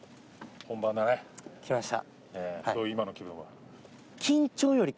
きました。